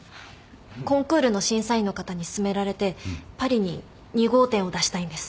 コンクールの審査員の方に勧められてパリに２号店を出したいんです。